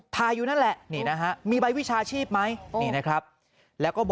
ทายอยู่นั่นแหละ